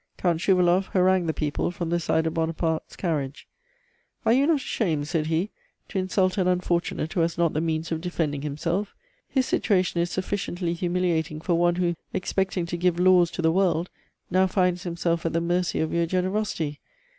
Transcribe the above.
"Count Schouwaloff harangued the people from the side of Buonaparte's carriage. "'Are you not ashamed,' said he, 'to insult an unfortunate who has not the means of defending himself? His situation is sufficiently humiliating for one who, expecting to give laws to the world, now finds himself at the mercy of your generosity.